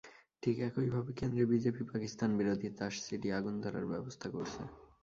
ঠিক একইভাবে কেন্দ্রে বিজেপি পাকিস্তানবিরোধী তাস ছিটিয়ে আগুন ধরার ব্যবস্থা করছে।